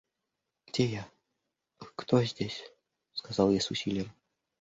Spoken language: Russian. «Где я? кто здесь?» – сказал я с усилием.